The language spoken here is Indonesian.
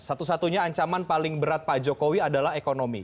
satu satunya ancaman paling berat pak jokowi adalah ekonomi